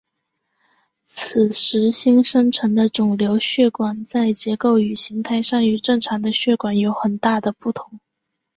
此时新生成的肿瘤血管在结构与形态上与正常的血管有很大的不同。